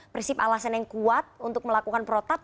prinsip alasan yang kuat untuk melakukan protap